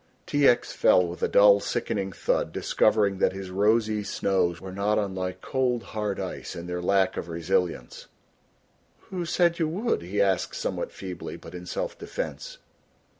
T. X. fell with a dull sickening thud, discovering that his rosy snows were not unlike cold, hard ice in their lack of resilience. "Who said you would?" he asked somewhat feebly, but in self defence.